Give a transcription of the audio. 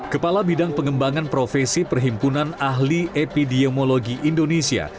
kepala bidang pengembangan profesi perhimpunan ahli epidemiologi indonesia